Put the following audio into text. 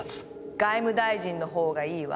外務大臣のほうがいいわ。